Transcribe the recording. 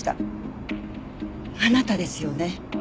あなたですよね？